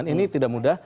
ini tidak mudah